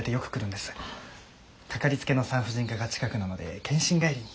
かかりつけの産婦人科が近くなので健診帰りに。